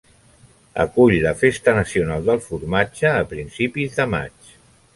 Acull la festa nacional del formatge a principis de maig.